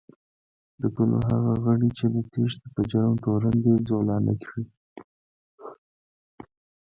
د کلو هغه غړي چې د تېښتې په جرم تورن دي، زولانه کړي